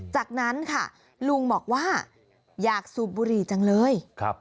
จากนั้นค่ะลุงบอกว่าอยากสูบบุหรี่จังเลย